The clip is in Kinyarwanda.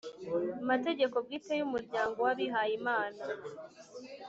mategeko bwite y umuryango w abihayimana